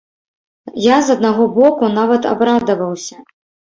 Я, з аднаго боку, нават абрадаваўся.